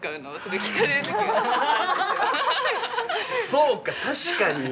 そうか確かに。